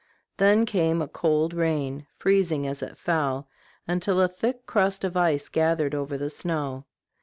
Then came a cold rain, freezing as it fell, until a thick crust of ice gathered over the snow.